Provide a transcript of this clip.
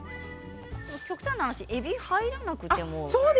極端な話えびが入らなくても。